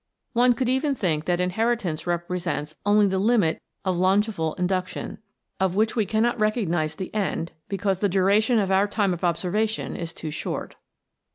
One could even think that Inheritance represents only the limit of longeval induction, of which we cannot recognise the end, because the duration of our time of observation is too short.